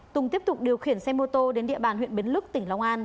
tùng tiếp tục điều khiển xe mô tô đến địa bàn huyện bến lức tỉnh long an